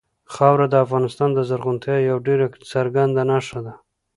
خاوره د افغانستان د زرغونتیا یوه ډېره څرګنده نښه ده.